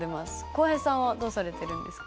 浩平さんはどうされてるんですか？